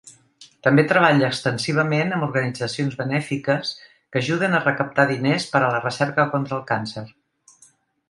També treballa extensivament amb organitzacions benèfiques que ajuden a recaptar diners per a la recerca contra el càncer.